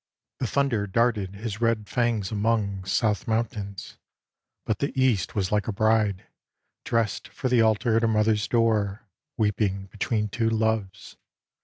The thunder darted his red fangs among South mountains, but the East was like a bride Drest for the altar at her mother's door Weeping between two loves.